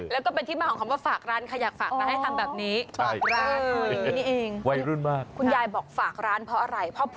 แล้วก็เป็นที่มาของคำว่าฝากร้านค่ะ